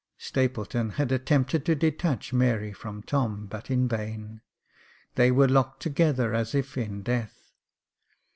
Stapleton had attempted to detach Mary from Tom, but in vain; they were locked together as if in death.